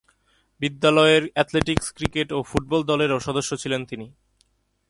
বিদ্যালয়ের athletics, cricket ও football দলেরও সদস্য ছিলেন তিনি।